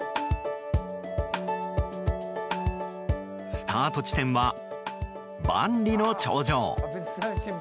スタート地点は、万里の長城。